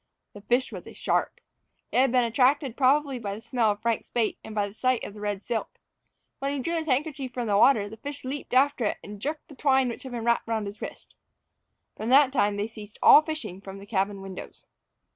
The fish was a shark. It had been attracted probably by the smell of Frank's bait, and by the sight of the red silk. When he drew his handkerchief from the water, the fish leaped after it, and jerked the twine which had been wrapped around his wrist. From that time they ceased all fishing from the cabin windows.